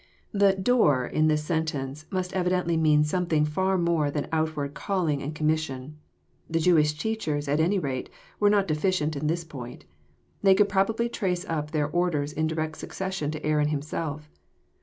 The ''door," in this sentence, must evidently mean something far more than outward calling and com mission. The Jewish teachers, at any rate, were not deficient in this point : they could probably trace up their orders in direct succession to Aaron himself.